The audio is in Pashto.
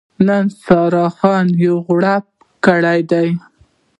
نن سارا ځان یو غړوپ کړی دی.